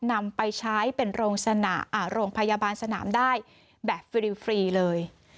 นำไปใช้เป็นโรงพยาบาลสนามได้แบบฟรีเลย